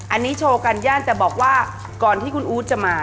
อันนี้โชว์กันย่านแต่บอกว่าก่อนที่คุณอู๊ดจะมา